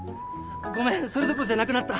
ごめんそれどころじゃなくなった。